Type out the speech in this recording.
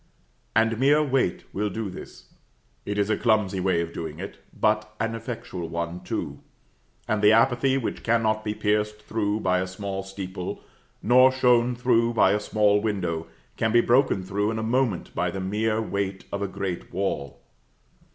And mere weight will do this; it is a clumsy way of doing it, but an effectual one, too; and the apathy which cannot be pierced through by a small steeple, nor shone through by a small window, can be broken through in a moment by the mere weight of a great wall.